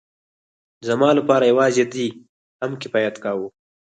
زما لپاره يوازې دې هم کفايت کاوه.